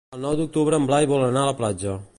El nou d'octubre en Blai vol anar a la platja.